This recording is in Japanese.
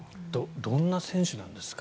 どんな選手なんですか？